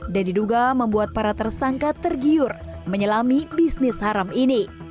dan diduga membuat para tersangka tergiur menyelami bisnis haram ini